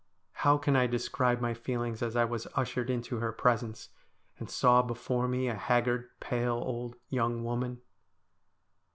How can I describe my feelings as I was ushered into her presence, and saw before me a haggard, pale, old young woman